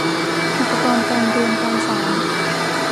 อุปกรณ์การเรียนการสอน